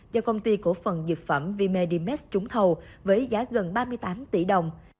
do công ty cổ phần dược phẩm vimedimest trúng thầu với giá gần ba mươi tám tỷ đồng